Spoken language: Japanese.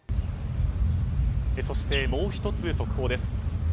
そして、もう１つ速報です。